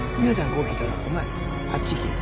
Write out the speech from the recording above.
ここ来たらお前あっち行け。